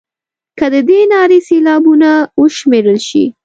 که د دې نارې سېلابونه وشمېرل شي.